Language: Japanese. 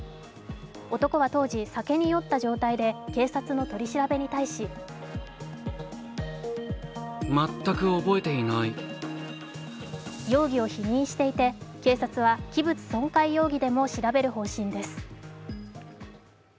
男は当時、酒に酔った状態で警察の取り調べに対し容疑を否認していて警察は器物損壊容疑でも調べる方針です。